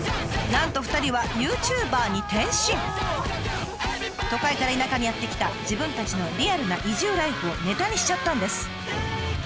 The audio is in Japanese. なんと２人は都会から田舎にやって来た自分たちのリアルな移住ライフをネタにしちゃったんです。